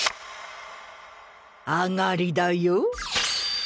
上がりだよ。